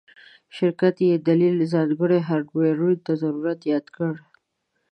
شرکت یی دلیل ځانګړو هارډویرونو ته ضرورت یاد کړی